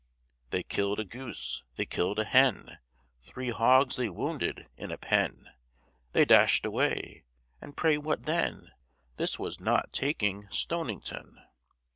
They kill'd a goose, they kill'd a hen, Three hogs they wounded in a pen They dash'd away, and pray what then? This was not taking Stonington.